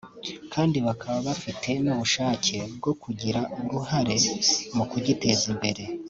kandi bakaba bafite n’ubushake bwo kugira uruhare mu kugiteza imbere